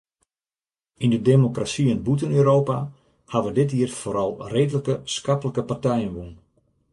Yn de demokrasyen bûten Europa hawwe dit jier foaral reedlike, skaplike partijen wûn.